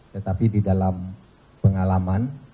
tetapi di dalam pengalaman